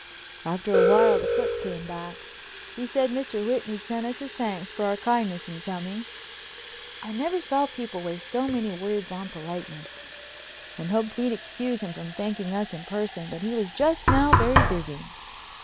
After a while the clerk came back. He said Mr. Whitney'd sent us his thanks for our kindness in coming—I never saw people waste so many words on politeness—and hoped we'd excuse him from thanking us in person, but he was just now very busy.